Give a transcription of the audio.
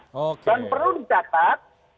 dan perlu dicatat